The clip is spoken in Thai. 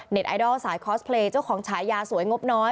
ไอดอลสายคอสเพลย์เจ้าของฉายาสวยงบน้อย